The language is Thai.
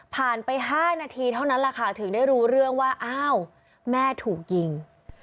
ไป๕นาทีเท่านั้นแหละค่ะถึงได้รู้เรื่องว่าอ้าวแม่ถูกยิง